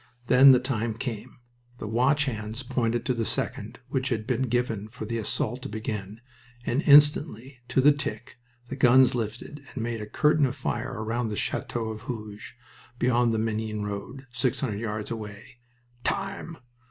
Then the time came. The watch hands pointed to the second which had been given for the assault to begin, and instantly, to the tick, the guns lifted and made a curtain of fire round the Chateau of Hooge, beyond the Menin road, six hundred yards away. "Time!"